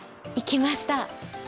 行きました。